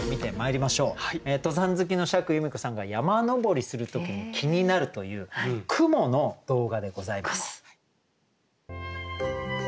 登山好きの釈由美子さんが山登りする時気になるという雲の動画でございます。